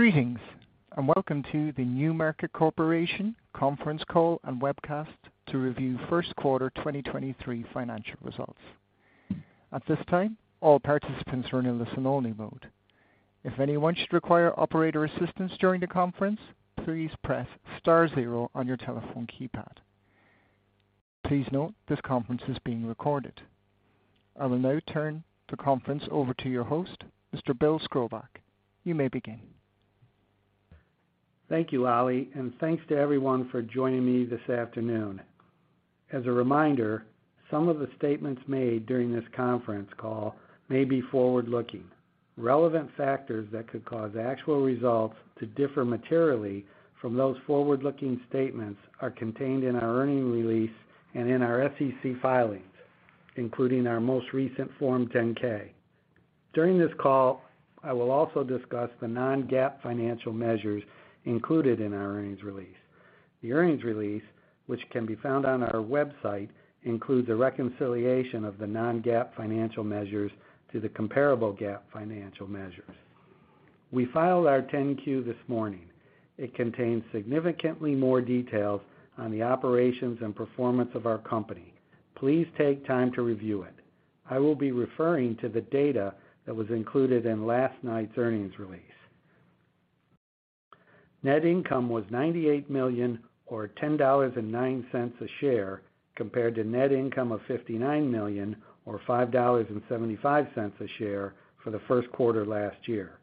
Greetings, and welcome to the NewMarket Corporation conference call and webcast to review first quarter 2023 financial results. At this time, all participants are in listen only mode. If anyone should require operator assistance during the conference, please press star zero on your telephone keypad. Please note this conference is being recorded. I will now turn the conference over to your host, Mr. Bill Skrobacz. You may begin. Thank you, Ali, and thanks to everyone for joining me this afternoon. As a reminder, some of the statements made during this conference call may be forward-looking. Relevant factors that could cause actual results to differ materially from those forward-looking statements are contained in our earnings release and in our SEC filings, including our most recent Form 10-K. During this call, I will also discuss the non-GAAP financial measures included in our earnings release. The earnings release, which can be found on our website, includes a reconciliation of the non-GAAP financial measures to the comparable GAAP financial measures. We filed our 10-Q this morning. It contains significantly more details on the operations and performance of our company. Please take time to review it. I will be referring to the data that was included in last night's earnings release. Net income was $98 million or $10.09 a share, compared to net income of $59 million or $5.75 a share for the first quarter last year.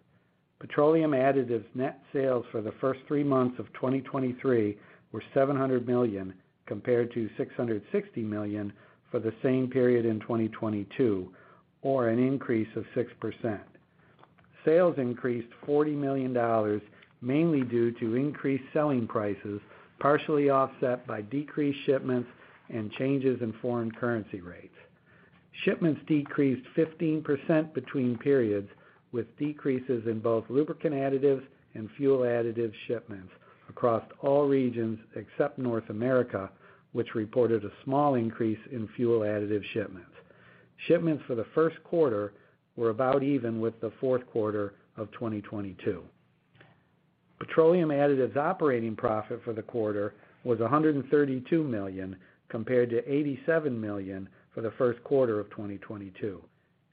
Petroleum additives net sales for the first three months of 2023 were $700 million, compared to $660 million for the same period in 2022, or an increase of 6%. Sales increased $40 million, mainly due to increased selling prices, partially offset by decreased shipments and changes in foreign currency rates. Shipments decreased 15% between periods, with decreases in both lubricant additives and fuel additives shipments across all regions except North America, which reported a small increase in fuel additive shipments. Shipments for the first quarter were about even with the fourth quarter of 2022. Petroleum additives operating profit for the quarter was $132 million, compared to $87 million for the first quarter of 2022.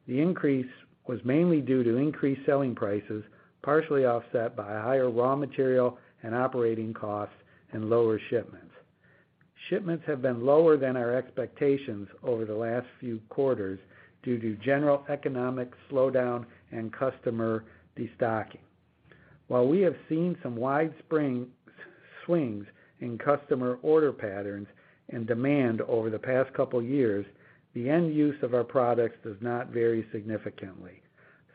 The increase was mainly due to increased selling prices, partially offset by higher raw material and operating costs and lower shipments. Shipments have been lower than our expectations over the last few quarters due to general economic slowdown and customer destocking. While we have seen some wide swings in customer order patterns and demand over the past couple years, the end use of our products does not vary significantly.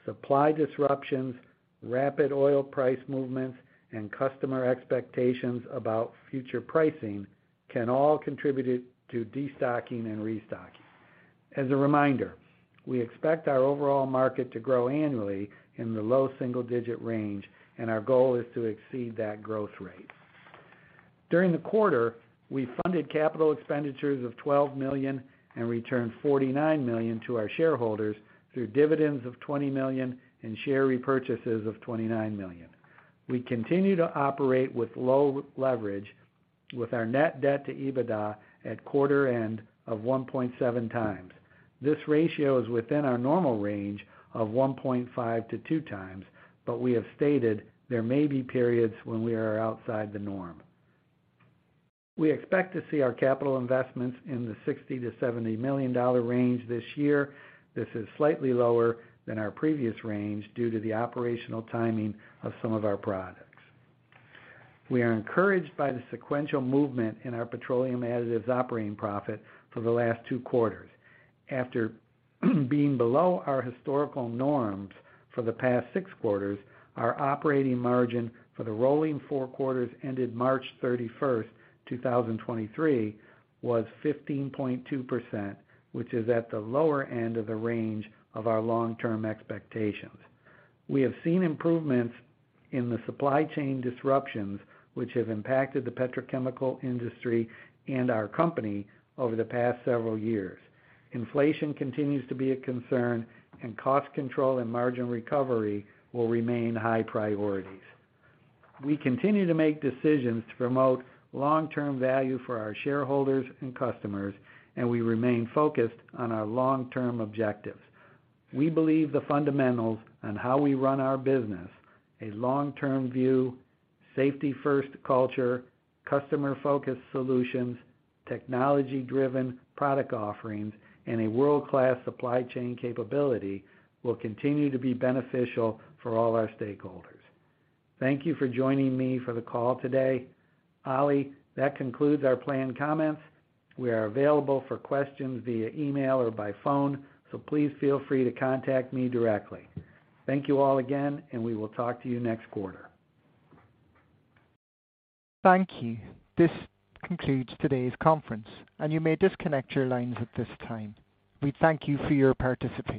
Supply disruptions, rapid oil price movements, and customer expectations about future pricing can all contributed to destocking and restocking. As a reminder, we expect our overall market to grow annually in the low single-digit range, our goal is to exceed that growth rate. During the quarter, we funded capital expenditures of $12 million and returned $49 million to our shareholders through dividends of $20 million and share repurchases of $29 million. We continue to operate with low leverage with our Net Debt to EBITDA at quarter end of 1.7x. This ratio is within our normal range of 1.5x-2x, but we have stated there may be periods when we are outside the norm. We expect to see our capital investments in the $60 million-$70 million range this year. This is slightly lower than our previous range due to the operational timing of some of our products. We are encouraged by the sequential movement in our petroleum additives operating profit for the last two quarters. After being below our historical norms for the past 6 quarters, our operating margin for the rolling four quarters ended March 31st, 2023 was 15.2%, which is at the lower end of the range of our long-term expectations. We have seen improvements in the supply chain disruptions which have impacted the petrochemical industry and our company over the past several years. Inflation continues to be a concern. Cost control and margin recovery will remain high priorities. We continue to make decisions to promote long-term value for our shareholders and customers. We remain focused on our long-term objectives. We believe the fundamentals on how we run our business, a long-term view, safety first culture, customer focused solutions, technology driven product offerings, and a world-class supply chain capability will continue to be beneficial for all our stakeholders. Thank you for joining me for the call today. Ali, that concludes our planned comments. We are available for questions via email or by phone, so please feel free to contact me directly. Thank you all again, and we will talk to you next quarter. Thank you. This concludes today's conference. You may disconnect your lines at this time. We thank you for your participation.